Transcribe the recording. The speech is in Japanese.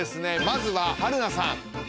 まずははるなさん。